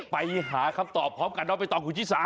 ไปหาคำตอบพร้อมกันน้องไปต่อคุณชิสา